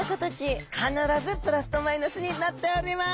必ずプラスとマイナスになっております。